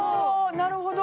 なるほど。